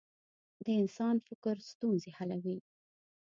د انسان فکر ستونزې حلوي.